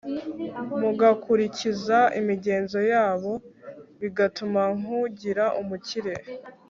mugakurikiza imigenzo yabo bigatuma nkugira umukire